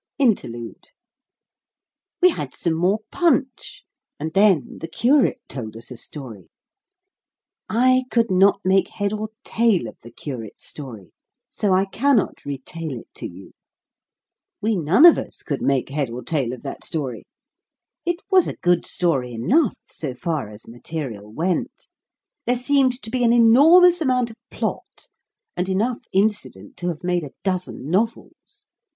INTERLUDE We had some more punch, and then the curate told us a story. I could not make head or tail of the curate's story, so I cannot retail it to you. We none of us could make head or tail of that story. It was a good story enough, so far as material went. There seemed to be an enormous amount of plot, and enough incident to have made a dozen novels.